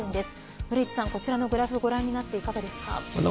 古市さん、こちらのグラフご覧になって、いかがですか。